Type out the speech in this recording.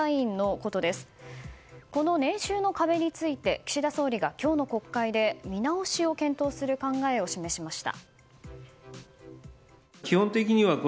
この年収の壁について岸田総理が今日の国会で見直しを検討する考えを示しました。